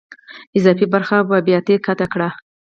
اضافي برخې په بیاتي قطع کړئ.